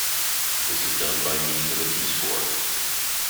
This is done by means of a t-score.